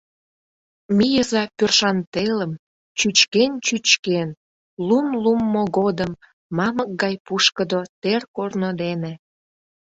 Мийыза пӧршан телым, чӱчкен-чӱчкен, лум луммо годым, мамык гай пушкыдо тер корно дене.